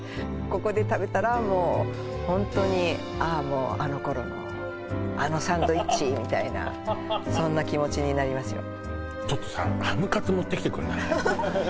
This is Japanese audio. ここで食べたらもうホントに「あの頃のあのサンドイッチ」みたいなそんな気持ちになりますよ